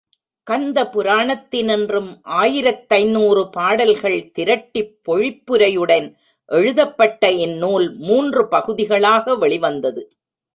கந்தபுராணத்தினின்றும் ஆயிரத்தைந்நூறு பாடல்கள் திரட்டிப் பொழிப்புரையுடன் எழுதப்பட்ட இந் நூல் மூன்று பகுதிகளாக வெளிவந்தது.